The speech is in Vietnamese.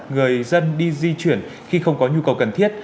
người dân đi di chuyển khi không có nhu cầu cần thiết